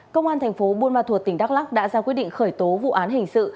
công an thành phố buôn ma thuột tỉnh đắk lắc đã ra quyết định khởi tố vụ án hình sự